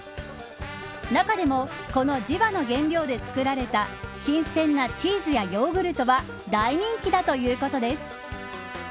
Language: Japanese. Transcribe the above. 中でもこの地場の原料で作られた新鮮なチーズやヨーグルトは大人気だということです。